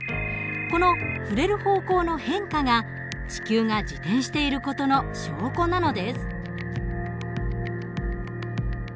この振れる方向の変化が地球が自転している事の証拠なのです。